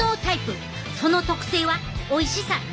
その特性はおいしさ６．３倍や！